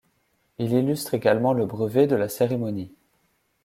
Il illustre également le brevet de la cérémonie.